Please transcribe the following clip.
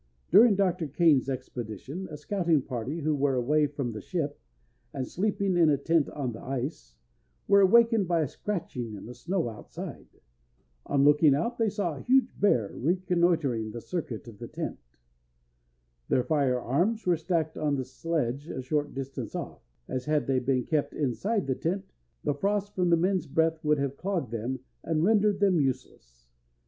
During Dr. Kane's expedition a scouting party who were away from the ship, and sleeping in a tent on the ice, were awakened by a scratching in the snow outside. On looking out they saw a huge bear reconnoitring the circuit of the tent. Their fire arms were stacked on the sledge a short distance off, as had they been kept inside the tent, the frost from the men's breath would have clogged them and rendered them useless.